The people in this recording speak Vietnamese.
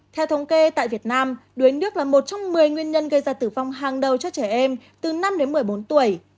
theo thống kê tại việt nam đuối nước là một trong một mươi nguyên nhân gây ra tử vong hàng đầu cho trẻ em từ năm đến một mươi bốn tuổi